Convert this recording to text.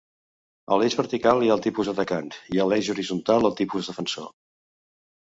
A l'eix vertical hi ha el tipus atacant, i a l'eix horitzontal, el tipus defensor.